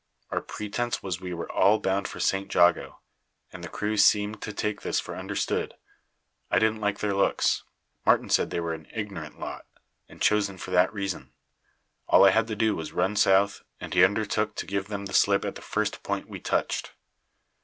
Our pretence was we were all bound for St. Jago, and the crew seemed to take this for understood. I didn't like their looks. Martin said they were an ignorant lot, and chosen for that reason. All I had to do was to run south, and he undertook to give them the slip at the first point we touched.